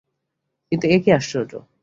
কিন্তু, এ কী আশ্চর্য।